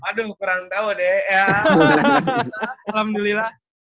aduh kurang tahu deh alhamdulillah